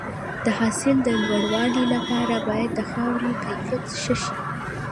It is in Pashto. د حاصل د لوړوالي لپاره باید د خاورې کیفیت ښه شي.